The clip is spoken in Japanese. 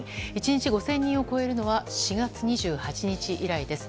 １日５０００人を超えるのは４月２８日以来です。